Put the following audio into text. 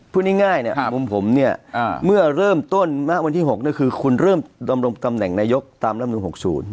พูดง่ายเนี่ยมุมผมเนี่ยเมื่อเริ่มต้นณวันที่๖ก็คือคุณเริ่มดำรงตำแหน่งนายกตามลำนูล๖๐